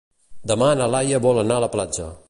Demà na Laia vol anar a la platja.